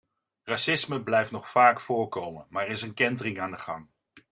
Racisme blijft nog vaak voorkomen, maar er is een kentering aan de gang.